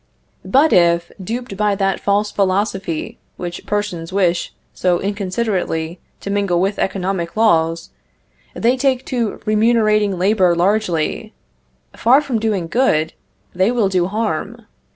But if, duped by that false philosophy which persons wish so inconsiderately to mingle with economic laws, they take to remunerating labor largely, far from doing good, they will do harm.